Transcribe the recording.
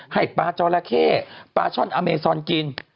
ให้ปลาจอละเข้ปลาช่อนอเมซอนกิน